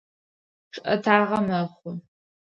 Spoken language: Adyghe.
Чъыӏэтагъэ мэхъу.